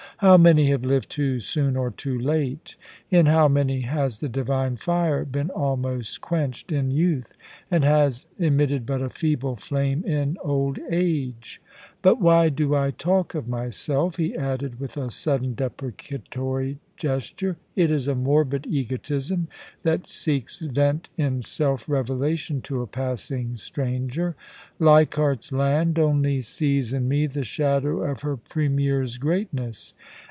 * How many have lived too soon or too late ! In how many has the divine fire been almost quenched in youth, and has emitted but a feeble flame in old age 1 But why do I talk of myself ?' he added with a sudden depreca tory gesture. * It is a morbid egotism that seeks vent in self revelation to a passing stranger. Leichardt's I^nd only sees in me the shadow of her Premier's greatness.